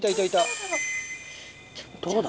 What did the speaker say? どうだ？